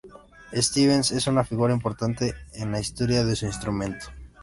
Stevens es una figura importante en la historia de su instrumento.